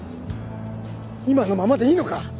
今のままでいいのか？